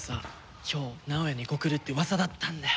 今日直哉に告るって噂だったんだよ。